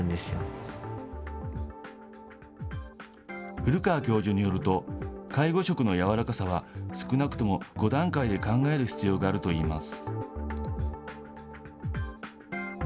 古川教授によると、介護食のやわらかさは、少なくとも５段階で考える必要があるといいます。